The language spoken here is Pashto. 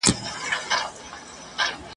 غلامان دي د بل غولي ته روزلي !.